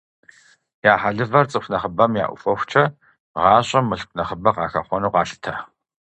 Я хьэлывэр цӀыху нэхъыбэм яӀухуэхукӀэ, гъэщӀэм мылъку нэхъыбэ къахэхъуэну къалъытэ.